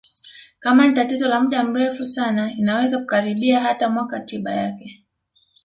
kama ni tatizo la muda mrefu sana inaweza kukaribia hata mwaka tiba yake